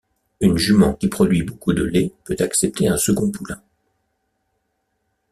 Une jument qui produit beaucoup de lait peut accepter un second poulain.